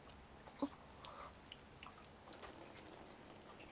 あっ。